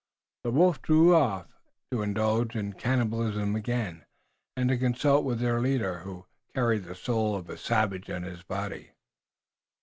The wolves drew off, to indulge in cannibalism again, and to consult with their leader, who carried the soul of a savage in his body.